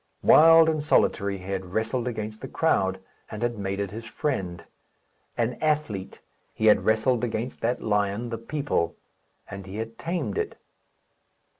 Wild and solitary, he had wrestled against the crowd, and had made it his friend. An athlete, he had wrestled against that lion, the people; and he had tamed it.